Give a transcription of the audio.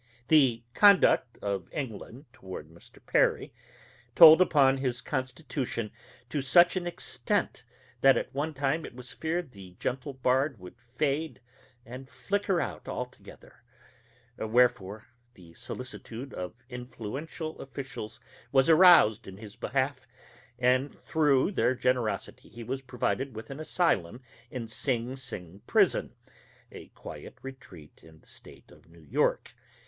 The conduct of England toward Mr. Perry told upon his constitution to such an extent that at one time it was feared the gentle bard would fade and flicker out altogether; wherefore, the solicitude of influential officials was aroused in his behalf, and through their generosity he was provided with an asylum in Sing Sing prison, a quiet retreat in the state of New York.